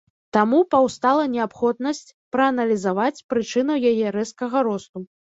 Таму паўстала неабходнасць прааналізаваць прычыну яе рэзкага росту.